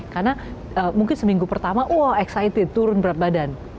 karena mungkin seminggu pertama wah excited turun berat badan